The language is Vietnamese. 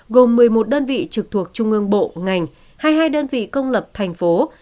gồm một mươi một đơn vị trực thuộc trung ương bộ ngành hai mươi hai đơn vị công lập thành phố